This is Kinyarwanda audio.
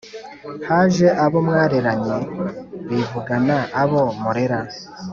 Haje abo mwareranye Bivugana abo murera ;